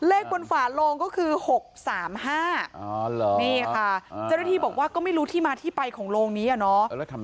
เลขบนฝาโลงก็คือ๖๓๕นี่ค่ะเจ้าหน้าที่บอกว่าก็ไม่รู้ที่มาที่ไปของโรงนี้อะเนาะ